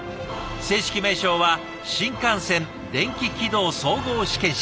正式名称は「新幹線電気軌道総合試験車」。